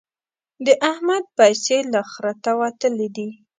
د احمد پيسې له خرته وتلې دي.